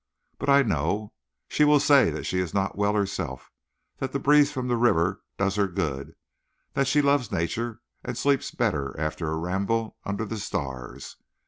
But I know. She will say that she is not well herself; that the breeze from the river does her good; that she loves nature, and sleeps better after a ramble under the stars.